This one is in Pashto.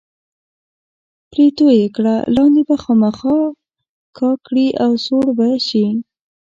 پرې توی یې کړه، لاندې به خامخا کا کړي او سوړ به شي.